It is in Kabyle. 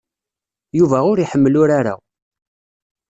Yuba ur iḥemmel urar-a.